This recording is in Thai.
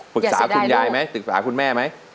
ปรึกษาคุณยายไหมปรึกษาคุณแม่ไหม